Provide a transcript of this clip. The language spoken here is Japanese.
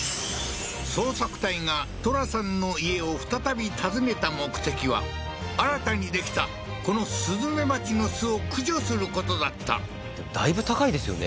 捜索隊がトラさんの家を再び訪ねた目的は新たにできたこのスズメバチの巣を駆除することだっただいぶ高いですよね